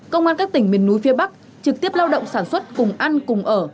công an các tỉnh miền núi phía bắc trực tiếp lao động sản xuất cùng ăn cùng ở